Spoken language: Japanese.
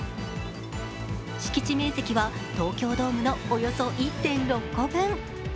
敷地面積は東京ドームのおよそ１．６個分。